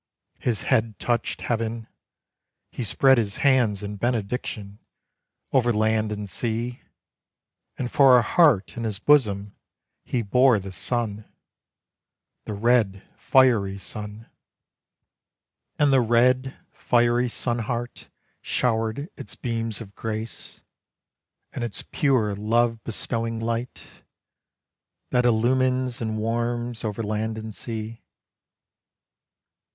His head touched heaven, He spread his hands in benediction Over land and sea; And for a heart in his bosom He bore the sun, The red fiery sun, And the red, fiery sun heart Showered its beams of grace, And its pure love bestowing light, That illumines and warms Over land and sea.